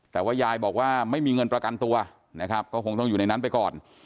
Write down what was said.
แต่ว่ายายบอกว่าไม่มีเงินประกันตัวนะครับก็คงต้องอยู่ในนั้นไปก่อน